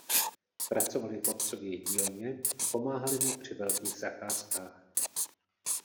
Pracovali v otcově dílně a pomáhali mu při velkých zakázkách.